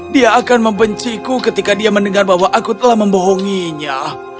dia akan membenciku ketika dia mendengar bahwa aku telah membohonginya